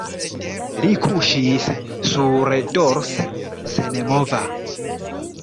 Li kuŝis surdorse senmova.